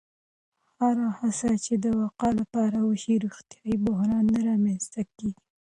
هره هڅه چې د وقایې لپاره وشي، روغتیایي بحران نه رامنځته کېږي.